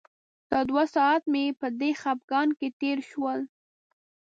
د دوه ساعته مې په دې خپګان کې تېر شول.